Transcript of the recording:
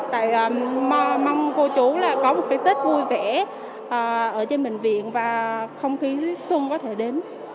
tại mong cô chú là có một cái tết vui vẻ ở trên bệnh viện và không khí xuân có thể đến